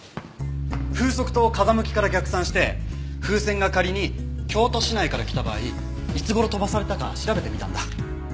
風速と風向きから逆算して風船が仮に京都市内から来た場合いつ頃飛ばされたか調べてみたんだ。